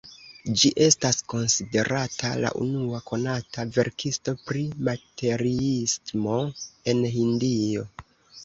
Ĝi estas konsiderata la unua konata verkisto pri materiismo en Hindio.